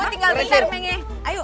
ntar deh gue tinggal tinggal